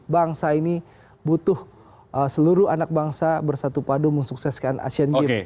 bangsa ini butuh seluruh anak bangsa bersatu padu mensukseskan asian games